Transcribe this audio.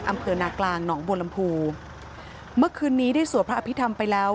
อำเภอนากลางหนองบัวลำพูเมื่อคืนนี้ได้สวดพระอภิษฐรรมไปแล้ว